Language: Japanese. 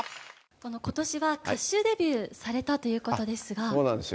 ことしは歌手デビューされたそうなんですよ。